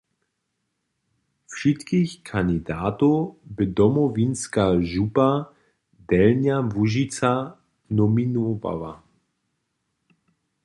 Wšitkich kandidatow bě Domowinska župa Delnja Łužica nominowała.